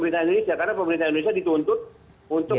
karena yang dikalahkan adalah pemerintah indonesia